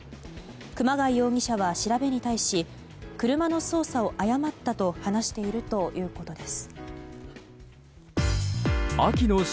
熊谷容疑者は調べに対し車の操作を誤ったと話しているということです。